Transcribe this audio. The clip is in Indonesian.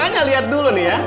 makanya lihat dulu nih ya